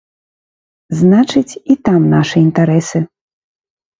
Значыць, і там нашы інтарэсы.